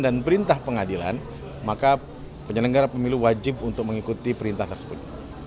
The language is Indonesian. dan perintah pengadilan maka penyelenggara pemilu wajib untuk mengikuti perintah tersebut